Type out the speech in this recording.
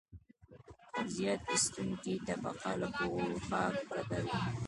خو زیار ایستونکې طبقه له پوښاک پرته وي